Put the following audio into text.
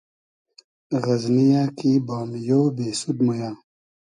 غئزنی یۂ کی بامیۉ , بېسود مۉ یۂ